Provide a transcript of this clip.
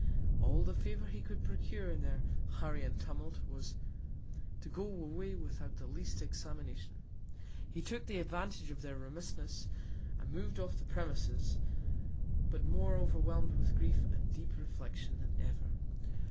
All the Favour he could procure, in their Hurry and Tumult, was, to go away without the least Examination. He took the Advantage of their Remissness, and mov'd off the Premises, but more overwhelm'd with Grief and deep Reflection than ever.